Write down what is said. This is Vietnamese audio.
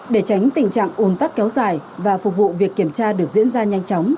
để tránh tình trạng ồn tắc kéo dài và phục vụ việc kiểm tra được diễn ra nhanh chóng